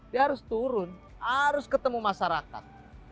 dia harus turun harus ketemu masyarakat